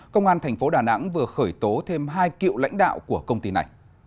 công an thành phố đà nẵng vừa khởi tố thêm hai cựu lãnh đạo của công ty này